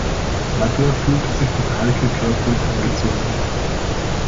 Nadja fühlte sich von Heike körperlich angezogen.